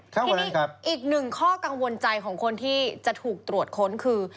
ทีนี้อีกหนึ่งข้อกังวลใจของคนที่จะถูกตรวจค้นคือ